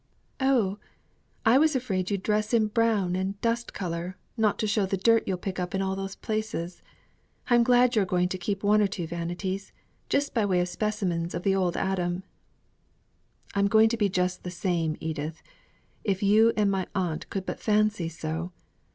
"Oh! I was afraid you'd dress in brown and dust colour, not to show the dirt you'll pick up in all those places. I'm glad you're going to keep one or two vanities, just by way of specimens of the old Adam." "I am going to be just the same, Edith, if you and my aunt could but fancy so.